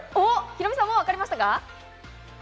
ヒロミさん、分かりましたか？